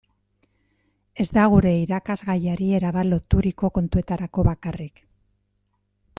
Ez da gure irakasgaiari erabat loturiko kontuetarako bakarrik.